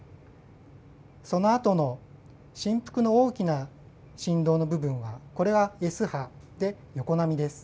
そのあとの振幅の大きな振動の部分はこれはＳ波で横波です。